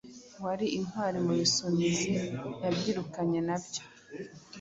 wari intwari mu Bisumizi. Yabyirukanye nabyo,